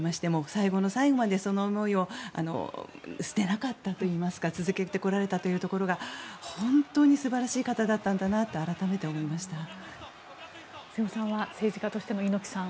最後の最後までその思いを捨てなかったといいますか続けてこられたというところが本当に素晴らしい方だったんだなと瀬尾さんは政治家としての猪木さん